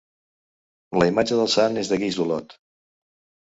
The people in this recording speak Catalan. La imatge del sant és de guix d'Olot.